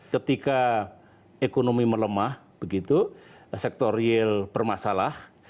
ketika ekonomi melemah begitu sektor real bermasalah